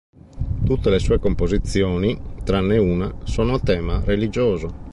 Tutte le sue composizioni, tranne una, sono a tema religioso.